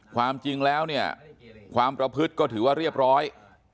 ความจริงแล้วเนี่ยความประพฤติก็ถือว่าเรียบร้อย